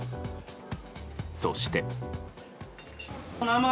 そして。